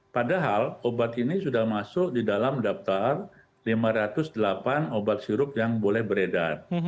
padahal obat ini sudah masuk di dalam daftar lima ratus delapan obat sirup yang boleh beredar